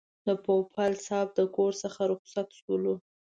د پوپل صاحب د کور څخه رخصت شولو.